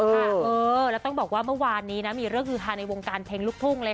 แล้วต้องบอกว่าเมื่อวานนี้นะมีเรื่องฮือฮาในวงการเพลงลูกทุ่งเลยค่ะ